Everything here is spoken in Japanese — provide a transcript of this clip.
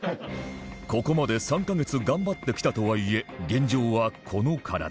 ここまで３カ月頑張ってきたとはいえ現状はこの体